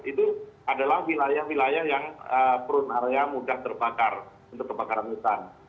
itu adalah wilayah wilayah yang prune area mudah terbakar untuk kebakaran hutan